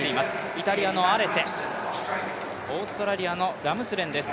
イタリアのアレセ、オーストラリアのラムスデンです。